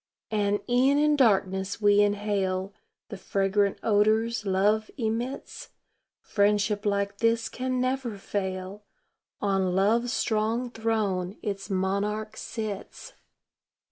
And e'en in darkness we inhale The fragrant odors love emits; Friendship like this can never fail On love's strong throne its monarch sits.